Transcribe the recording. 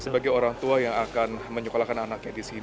jadi orang tua yang berkumpul di sini mengundang anaknya untuk pembayaran